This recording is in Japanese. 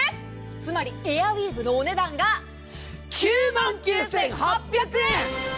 つまりエアウィーヴのお値段が９万９８００円！！